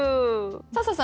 笹さん